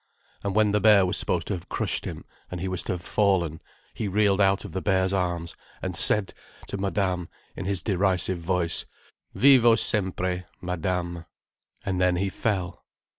And when the bear was supposed to have crushed him, and he was to have fallen, he reeled out of the bear's arms and said to Madame, in his derisive voice: "Vivo sempre, Madame." And then he fell.